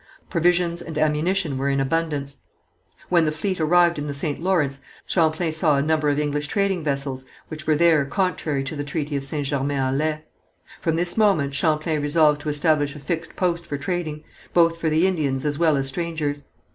Provisions and ammunition were in abundance. When the fleet arrived in the St. Lawrence, Champlain saw a number of English trading vessels which were there contrary to the treaty of St. Germain en Laye. From this moment Champlain resolved to establish a fixed post for trading, both for the Indians as well as strangers.